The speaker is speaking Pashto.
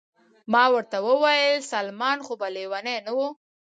ما ورته وویل: سلمان خو به لیونی نه و؟